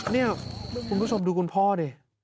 นี่คุณผู้ชมดูคุณพ่อดิ